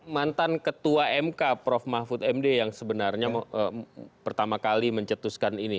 mantan ketua mk prof mahfud md yang sebenarnya pertama kali mencetuskan ini